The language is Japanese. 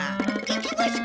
行きます！